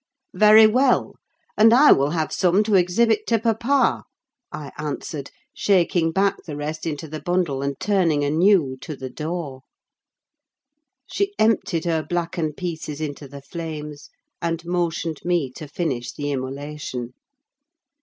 "Very well—and I will have some to exhibit to papa!" I answered, shaking back the rest into the bundle, and turning anew to the door. She emptied her blackened pieces into the flames, and motioned me to finish the immolation.